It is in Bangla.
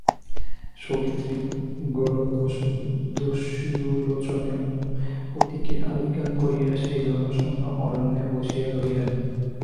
সাবিত্রী গলদশ্রুলোচনে পতিকে আলিঙ্গন করিয়া সেই জনশূন্য অরণ্যে বসিয়া রহিলেন।